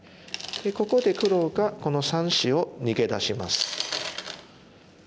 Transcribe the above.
でここで黒がこの３子を逃げ出します。